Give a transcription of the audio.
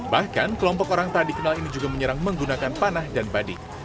bahkan kelompok orang tak dikenal ini juga menyerang menggunakan panah dan badik